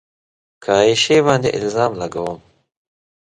که عایشې باندې الزام لګوم